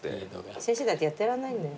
先生だってやってらんないんだよ。